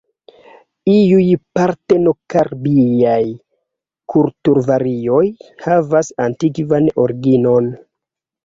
Iuj partenokarpiaj kulturvarioj havas antikvan originon.